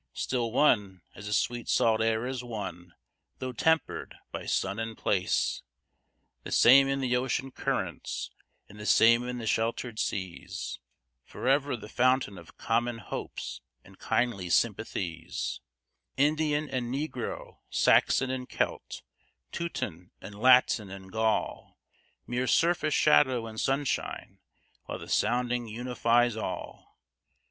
Still one as the sweet salt air is one, though tempered by sun and place; The same in the ocean currents, and the same in the sheltered seas; Forever the fountain of common hopes and kindly sympathies; Indian and Negro, Saxon and Celt, Teuton and Latin and Gaul Mere surface shadow and sunshine; while the sounding unifies all!